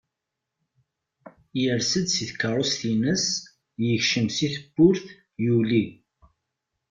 Yers-d si tkerrust-ines yekcem si tewwurt, yuli.